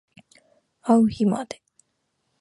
あう日まで